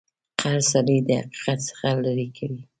قهر سړی د حقیقت څخه لرې کوي.